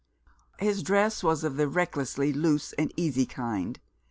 His dress was of the recklessly loose and easy kind.